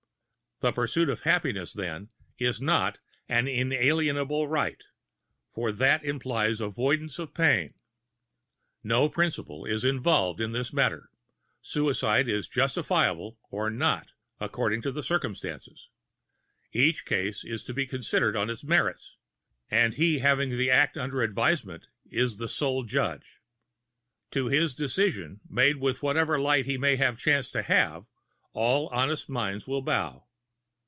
The "pursuit of happiness," then, is not an "inalienable right," for that implies avoidance of pain. No principle is involved in this matter; suicide is justifiable or not, according to circumstances; each case is to be considered on its merits and he having the act under advisement is sole judge. To his decision, made with whatever light he may chance to have, all honest minds will bow.